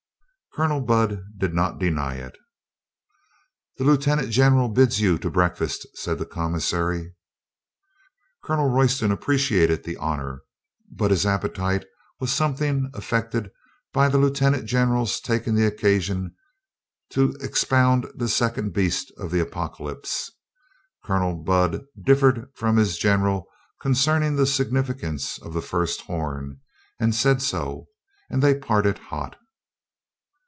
Colonel Budd did not deny it. "The lieutenant general bids you to breakfast," said the commissary. Colonel Royston appreciated the honor, but his appetite was something affected by the lieutenant general taking occasion to expound the second 241 242 COLONEL GREATHEART beast of the apocalypse. Colonel Budd differed from his general concerning the significance of the first horn, said so and they parted hot.